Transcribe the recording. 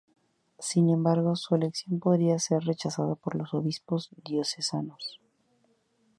Sin embargo, su elección podría ser rechazada por los obispos diocesanos.